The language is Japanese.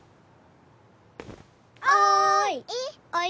おい！